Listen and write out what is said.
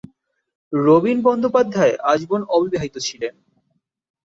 রবীন বন্দ্যোপাধ্যায় আজীবন অবিবাহিত ছিলেন।